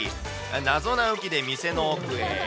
謎な動きで店の奥へ。